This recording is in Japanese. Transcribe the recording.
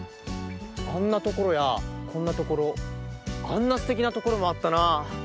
あんなところやこんなところあんなすてきなところもあったなあ！